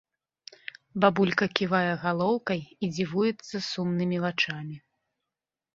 Бабулька ківае галоўкай і дзівуецца сумнымі вачамі.